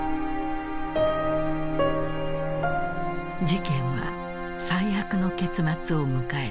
事件は最悪の結末を迎えた。